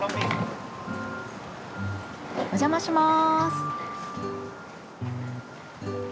お邪魔します。